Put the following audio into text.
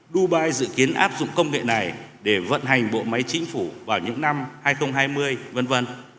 dubai dự kiến áp dụng công nghệ này để vận hành bộ máy chính phủ vào những năm hai nghìn hai mươi v v